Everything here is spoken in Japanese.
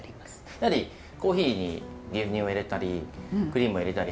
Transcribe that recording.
やはりコーヒーに牛乳を入れたりクリームを入れたりするじゃないですか。